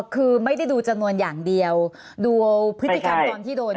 คือไม่ได้ดูจำนวนอย่างเดียวดูพฤติกรรมตอนที่โดน